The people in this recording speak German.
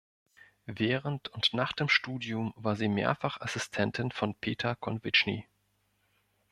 Während und nach dem Studium war sie mehrfach Assistentin von Peter Konwitschny.